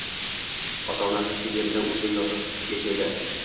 Ota-onasi chet elda, o`zi yolg`iz yashaydi